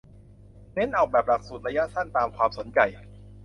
เน้นออกแบบหลักสูตรระยะสั้นตามความสนใจ